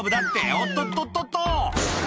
「おっとっとっとっと！」